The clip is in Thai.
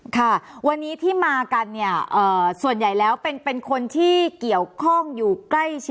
ค่ะวันนี้ที่มากันเนี่ยส่วนใหญ่แล้วเป็นคนที่เกี่ยวข้องอยู่ใกล้ชิด